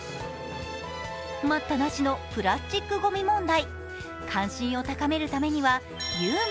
待ったなしのプラスチックごみ問題。